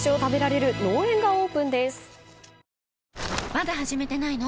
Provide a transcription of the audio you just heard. まだ始めてないの？